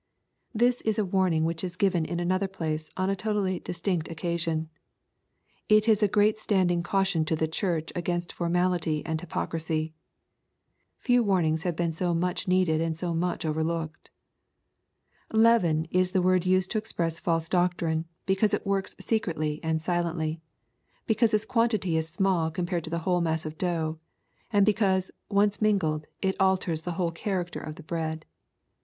] This is a warning which is given in another place, on a totally distinct occasion. It is a great standing caution to the Church against formality jind hypocrisy. Few warnings have been so much needed and 30 much overlooked. " Leaven" is the word used to express falst? doctrine, because it works secretly and silently, — ^because its quantity is small compared to the whole mass of dough, — and because, once mingled, it alters the whole character of the bread.